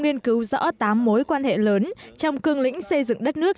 nghiên cứu rõ tám mối quan hệ lớn trong cương lĩnh xây dựng đất nước